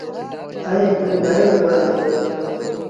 ائيٚݩ هڪڙيٚ وڏيٚ ميز با اهي۔